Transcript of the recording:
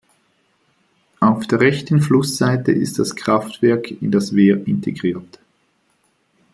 Auf der rechten Flussseite ist das Kraftwerk in das Wehr integriert.